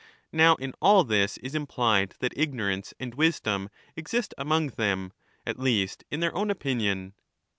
Now, in all this is implied that ignorance and wisdom exist among them, at least in their own opinion.